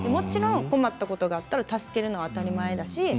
困ったことがあれば助けるのは当たり前だし。